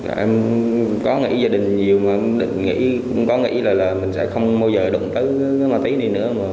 em có nghĩ gia đình nhiều mà cũng có nghĩ là mình sẽ không bao giờ đụng tới ma túy này nữa